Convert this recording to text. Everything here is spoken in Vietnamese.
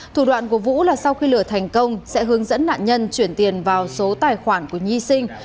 thủ đoạn của vũ là sau khi lửa thành công sẽ hướng dẫn nạn nhân chuyển tiền vào số tài khoản của nhi sinh